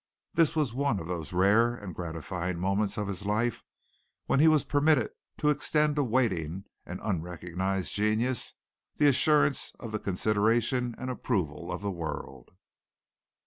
This was one of those rare and gratifying moments of his life when he was permitted to extend to waiting and unrecognized genius the assurance of the consideration and approval of the world.